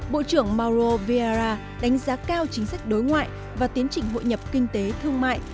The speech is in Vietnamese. bộ trưởng mauro vieira đánh giá cao chính sách đối ngoại và tiến trình hội nhập kinh tế thương mại